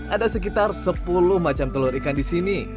ada sekitar sepuluh macam telur ikan di sini